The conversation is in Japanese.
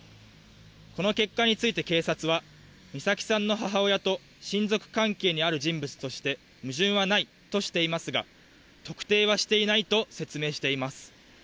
この結果について警察は、美咲さんの母親と親族関係にある人物として矛盾はないとしていますが、特定はしていないと説明しています。